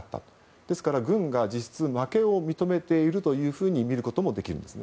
だから軍が実質的に負けを認めていると見ることもできるんです。